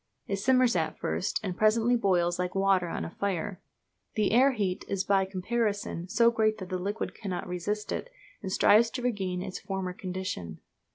It simmers at first, and presently boils like water on a fire. The air heat is by comparison so great that the liquid cannot resist it, and strives to regain its former condition.